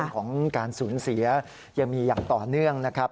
ของการสูญเสียยังมีอย่างต่อเนื่องนะครับ